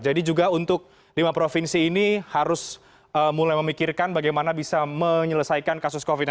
jadi juga untuk lima provinsi ini harus mulai memikirkan bagaimana bisa menyelesaikan kasus covid sembilan belas